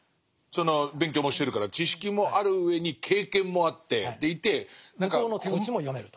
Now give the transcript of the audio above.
その勉強もしてるから知識もあるうえに経験もあってでいて何か。